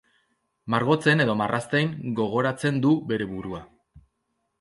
Margotzen edo marrazten ggoratzen du bere burua.